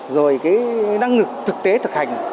rồi cái năng lực thực tế thực hành